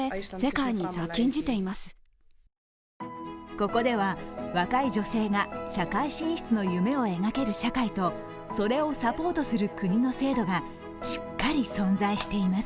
ここでは若い女性が社会進出の夢を描ける社会とそれをサポートする国の制度がしっかり存在しています。